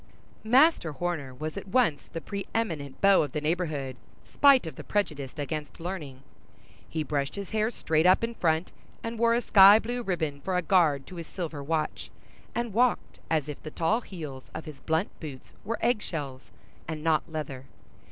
Master Horner was at once the preëminent beau of the neighborhood, spite of the prejudice against learning. He brushed his hair straight up in front, and wore a sky blue ribbon for a guard to his silver watch, and walked as if the tall heels of his blunt boots were egg shells and not leather.